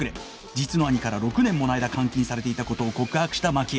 実の兄から６年もの間監禁されていた事を告白したマキエ